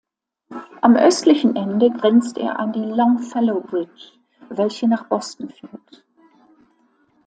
Am östlichen Ende grenzt er an die Longfellow Bridge, welche nach Boston führt.